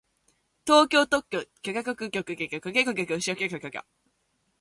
東京特許許可局で特許許可を取得する